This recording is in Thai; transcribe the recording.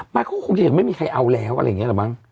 เขาก็คงจะยังไม่มีใครเอาแล้วอะไรอย่างนี้เหรอมั้ง